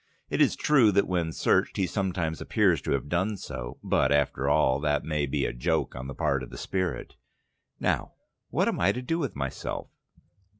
It is true that when searched he sometimes appears to have done so; but, after all, that may be a joke on the part of the spirit. Now, what am I to do with myself.